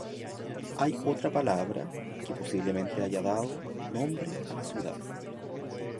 Hay otra palabra que posiblemente haya dado nombre a la ciudad.